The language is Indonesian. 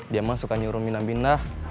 dia emang suka nyuruh minah minah